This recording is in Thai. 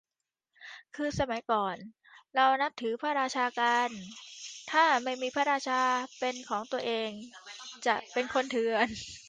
คือสมัยก่อนเรานับถือพระราชากัน ถ้าไม่มีพระราชาเป็นของตัวเอง จะเป็นคนเถื่อน